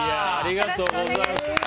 ありがとうございます。